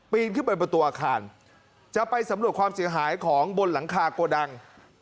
ขึ้นไปประตูอาคารจะไปสำรวจความเสียหายของบนหลังคาโกดัง